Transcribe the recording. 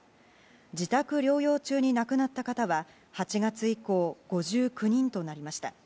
自宅療養中に亡くなった方は８月以降５９人となりました。